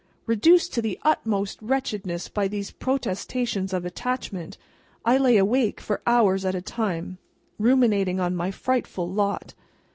Reduced to the utmost wretchedness by these protestations of attachment, I lay awake, for hours at a time, ruminating on my frightful lot.